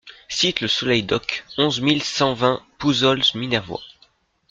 Cite Le Soleil d'Oc, onze mille cent vingt Pouzols-Minervois